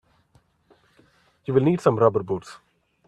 You will need some rubber boots.